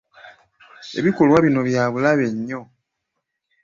Ebikolwa bino bya bulabe nnyo.